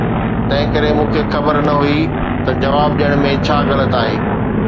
تنهنڪري مون کي خبر نه هئي ته جواب ڏيڻ ۾ ڇا غلط آهي؟